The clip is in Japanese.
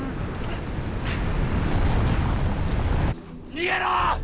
逃げろ！